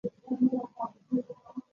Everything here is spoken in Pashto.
نقلي اړتیا ونه لري.